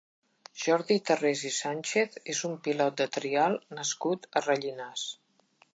Jordi Tarrés i Sànchez és un pilot de trial nascut a Rellinars.